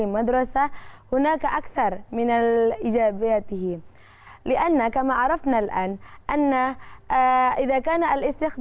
menteri pendidikan nih